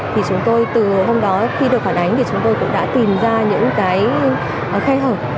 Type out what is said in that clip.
thì chúng tôi từ hôm đó khi được phản ánh thì chúng tôi cũng đã tìm ra những cái khay hợp